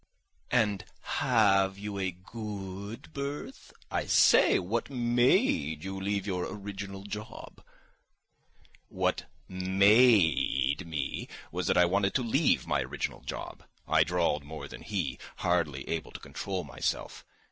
"And ha ave you a go od berth? I say, what ma a de you leave your original job?" "What ma a de me was that I wanted to leave my original job," I drawled more than he, hardly able to control myself.